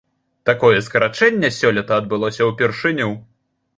Такое скарачэнне сёлета адбылося ўпершыню.